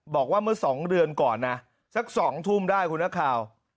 บอกว่าเมื่อ๒เดือนก่อนนะสัก๒ทุ่มได้คุณนักข่าว